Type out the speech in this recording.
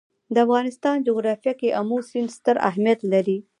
د افغانستان جغرافیه کې آمو سیند ستر اهمیت لري.